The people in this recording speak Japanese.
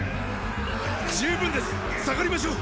十分です退がりましょう！